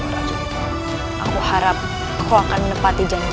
enggakeey rouaaaan itu berhasil mencapai prototypes